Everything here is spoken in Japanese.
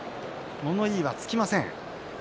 物言いはつきません。